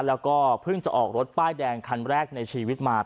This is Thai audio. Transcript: แล้วก็เพิ่งจะออกรถป้ายแดงคันแรกในชีวิตมา